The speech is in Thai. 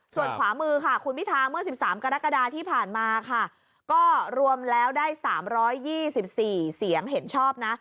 ส่วนขวามือค่ะคุณพิธาเมื่อ๑๓กรกฎาที่ผ่านมาค่ะก็รวมแล้วได้๓๒๔เสียงเห็นชอบนะ